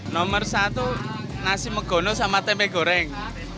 nomor satu nasi megono sama tempe goreng